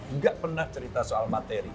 nggak pernah cerita soal materi